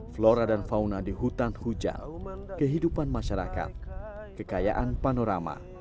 flora dan fauna di hutan hujan kehidupan masyarakat kekayaan panorama